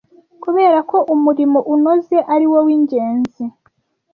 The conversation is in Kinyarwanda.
Kubera ko umurimo unoze ari wo w’ingenzi